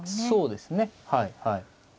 そうですねはいはい。